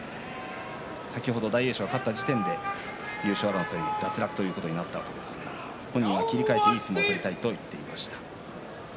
先ほど大栄翔が勝った時点で優勝争い、脱落ということになったわけですが本人は切り替えていい相撲を取りたいと言っていました。